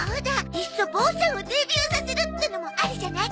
いっそボーちゃんをデビューさせるってのもありじゃない？